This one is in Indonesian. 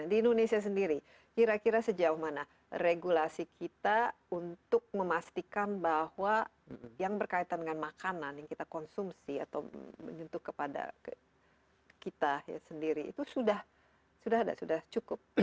di indonesia sendiri kira kira sejauh mana regulasi kita untuk memastikan bahwa yang berkaitan dengan makanan yang kita konsumsi atau menyentuh kepada kita sendiri itu sudah cukup